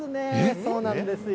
そうなんですよ。